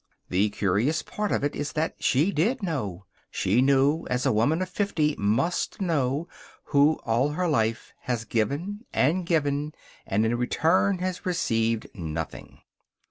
The curious part of it is that she did know. She knew as a woman of fifty must know who, all her life, has given and given and in return has received nothing.